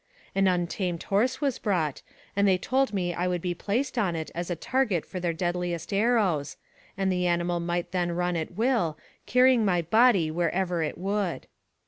An untamed horse was brought, and they told me I would be placed on it as a target for their deadliest arrows, and the animal might then run at will, carry ing my body where it would.